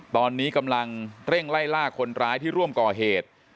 ตอนนี้กำลังเร่งไล่ล่าคนร้ายที่ร่วมก่อเหตุ